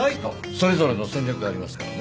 それぞれの戦略がありますからね。